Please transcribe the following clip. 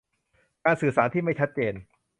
การสื่อสารที่ไม่ชัดเจน